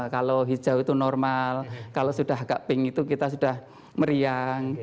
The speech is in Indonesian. kalau hijau itu normal kalau sudah agak pink itu kita sudah meriang